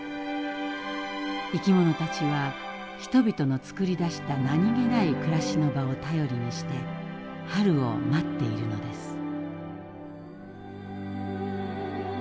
生き物たちは人々のつくり出したなにげない暮らしの場を頼りにして春を待っているのです。